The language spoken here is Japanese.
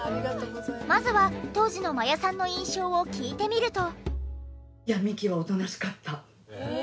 まずは当時の真矢さんの印象を聞いてみると。